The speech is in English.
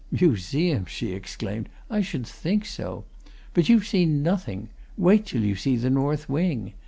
"Museum!" she exclaimed. "I should think so! But you've seen nothing wait till you see the north wing.